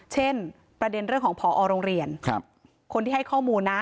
เช่นประเด็นเรื่องของผอโรงเรียนคนที่ให้ข้อมูลนะ